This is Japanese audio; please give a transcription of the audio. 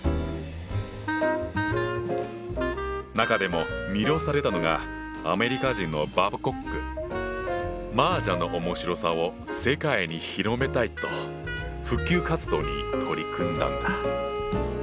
中でも魅了されたのがアメリカ人の麻雀の面白さを世界に広めたいと普及活動に取り組んだんだ。